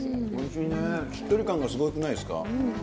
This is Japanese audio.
しっとり感がすごくないですか。